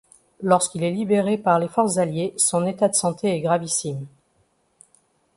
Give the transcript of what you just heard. Lorsqu'il est libéré par les forces alliées, son état de santé est gravissime.